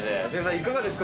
いかがですか？